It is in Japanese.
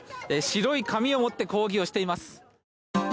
白い紙を持って抗議をしています。